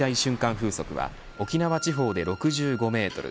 風速は沖縄地方で６５メートル